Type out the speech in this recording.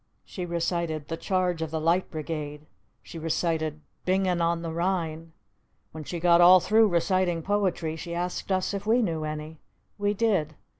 She recited "The Charge of the Light Brigade." She recited "Bingen on the Rhine." When she got all through reciting poetry she asked us if we knew any. We did.